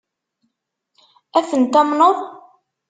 Ad tent-tamneḍ?